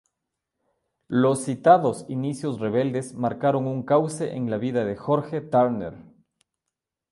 Los citados inicios rebeldes marcaron un cauce en la vida de Jorge Turner.